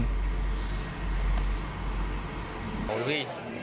được đặt vào một sân khấu